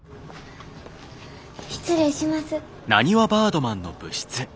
失礼します。